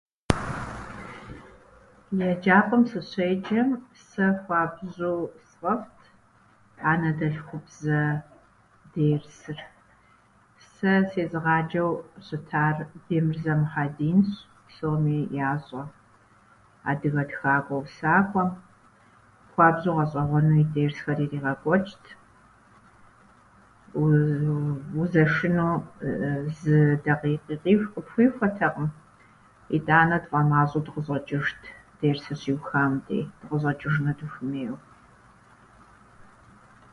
Еджапӏэм сыщеджэм сэ хуабжьу сфӏэфӏт анэдэлъхубзэ дерсыр. Сэ сезыгъаджэу щытар Бемырзэ Мыхьэдинщ, псоми ящӏэ, адыгэ тхакӏуэ, усакӏуэ, хуабжьу гъэщӏэгъуэну и дерсхэр иригъэкӏуэчӏт, узэшыну зы дакъикъи къиху- къытхуихуэтэкъым, итӏанэ тфӏэмащӏэу дыкъыщӏэчӏыжт дерсыр щиухам дей, дыкъыщӏэчӏыжыну дыхуэмейуэ.